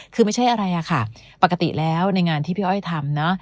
คือไม่ใช่อะไรอะค่ะปกติแล้วในงานที่พี่อ้อยทำนะ